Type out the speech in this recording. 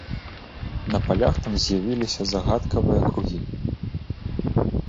На палях там з'явіліся загадкавыя кругі.